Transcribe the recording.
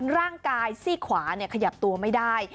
ร่างกายซี่ขวาขยับตัวไม่ได้